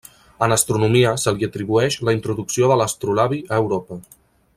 En astronomia se li atribueix la introducció de l'astrolabi a Europa.